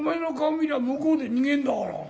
見りゃ向こうで逃げんだから。